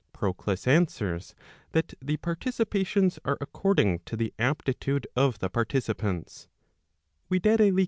Proclus answers that the participations are according to the aptitude of the participants; viz.